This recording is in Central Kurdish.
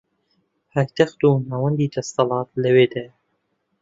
پایتەختە و ناوەندی دەسەڵات لەوێدایە